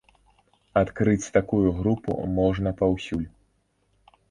Адкрыць такую групу можна паўсюль.